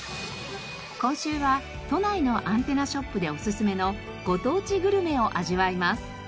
今週は都内のアンテナショップでおすすめのご当地グルメを味わいます。